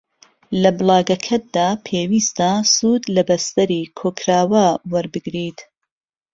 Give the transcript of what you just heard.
لە بڵاگەکەتدا پێویستە سوود لە بەستەری کۆکراوە وەربگریت